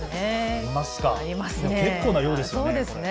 結構な量ですよね。